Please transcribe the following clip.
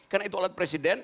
karena itu alat presiden